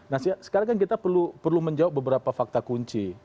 nah sekarang kan kita perlu menjawab beberapa fakta kunci